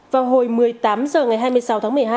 vào hồi một mươi tám h ngày hai mươi sáu tháng một mươi hai